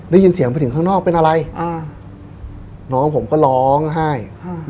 ได้ยินเสียงไปถึงข้างนอกเป็นอะไรอ่าน้องผมก็ร้องไห้